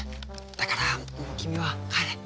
だからもう君は帰れ。